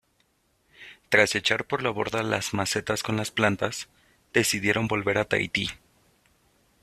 Tras echar por la borda las macetas con las plantas, decidieron volver a Tahití.